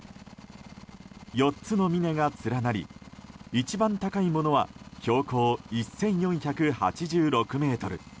４つの峰が連なり一番高いものは標高１４８６ｍ。